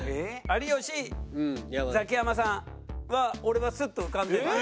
有吉ザキヤマさんは俺はスッと浮かんでるの。